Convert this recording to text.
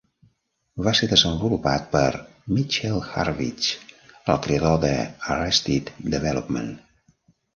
Va ser desenvolupat per Mitchell Hurwitz, el creador de "Arrested Development".